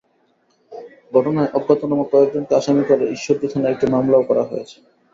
ঘটনায় অজ্ঞাতনামা কয়েকজনকে আসামি করে ঈশ্বরদী থানায় একটি মামলাও করা হয়েছে।